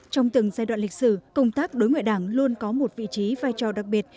trong từng giai đoạn lịch sử công tác đối ngoại đảng luôn có một vị trí vai trò đặc biệt